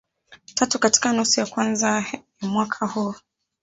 Tatu katika nusu ya kwanza ya mwaka huu